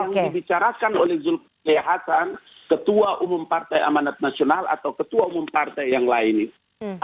yang dibicarakan oleh zulkifli hasan ketua umum partai amanat nasional atau ketua umum partai yang lain itu